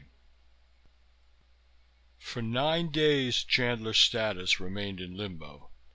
XIII For nine days Chandler's status remained in limbo.